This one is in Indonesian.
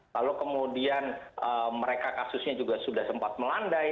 lalu kemudian mereka kasusnya juga sudah sempat melandai